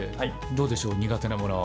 どうでしょう苦手なもの。